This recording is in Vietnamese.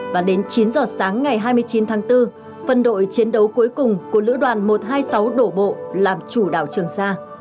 và đến chín giờ sáng ngày hai mươi chín tháng bốn phân đội chiến đấu cuối cùng của lữ đoàn một trăm hai mươi sáu đổ bộ làm chủ đảo trường sa